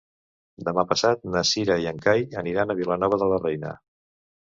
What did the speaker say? Demà passat na Cira i en Cai aniran a Vilanova de la Reina.